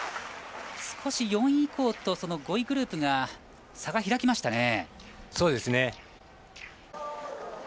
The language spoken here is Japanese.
少し４位以降と５位グループの差が開きました。